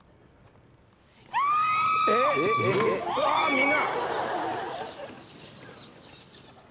みんな！